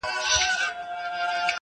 پر تندیو به د پېغلو اوربل خپور وي!!